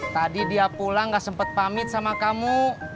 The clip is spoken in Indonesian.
tadi dia pulang gak sempat pamit sama kamu